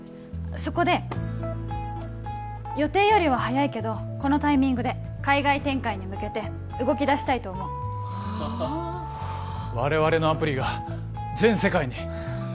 そこで予定よりは早いけどこのタイミングで海外展開に向けて動きだしたいと思う我々のアプリが全世界に？